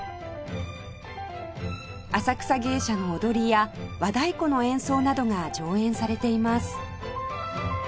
浅草芸者の踊りや和太鼓の演奏などが上演されています